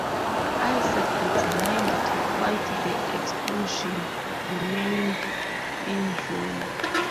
Isaac, determined to fight the expulsion, remained in Rome.